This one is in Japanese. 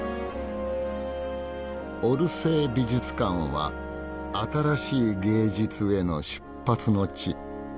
オルセー美術館は新しい芸術への出発の地。